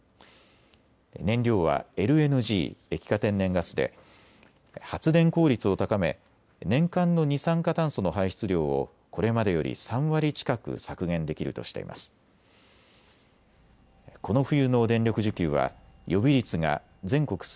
燃料はＬＮＧ・液化天然ガスで発電効率を高め年間の二酸化炭素の排出量をこれまでより３割近く削減できるとしています。